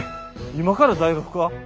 今から大学か？